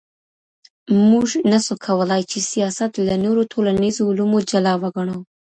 موږ نسو کولای چي سياست له نورو ټولنيزو علومو جلا وګڼو.